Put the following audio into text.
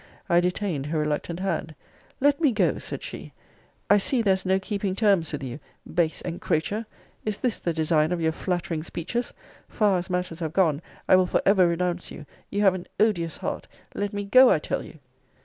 I detained her reluctant hand. Let me go, said she. I see there is no keeping terms with you. Base encroacher! Is this the design of your flattering speeches? Far as matters have gone, I will for ever renounce you. You have an odious heart. Let me go, I tell you.